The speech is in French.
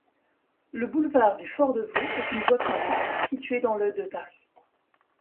Le boulevard du Fort-de-Vaux est une voie publique situé dans le de Paris.